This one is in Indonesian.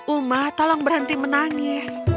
uma tolong berhenti menangis